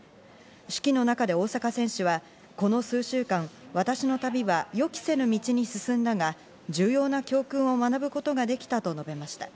手記の中で大坂選手はこの数週間、私の旅は予期せぬ道に進んだが、重要な教訓を学ぶことができたと述べました。